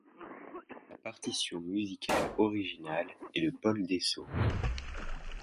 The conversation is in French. La partition musicale originale est de Paul Dessau.